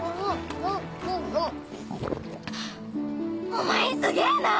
お前すげぇな！